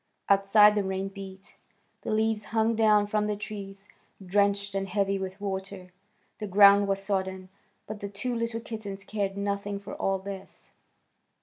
Outside the rain beat. The leaves hung down from the trees, drenched and heavy with water; the ground was sodden, but the two little kittens cared nothing for all this.